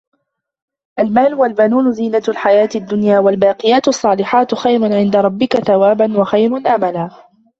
الْمَالُ وَالْبَنُونَ زِينَةُ الْحَيَاةِ الدُّنْيَا وَالْبَاقِيَاتُ الصَّالِحَاتُ خَيْرٌ عِنْدَ رَبِّكَ ثَوَابًا وَخَيْرٌ أَمَلًا